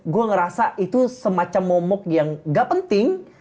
gue ngerasa itu semacam momok yang gak penting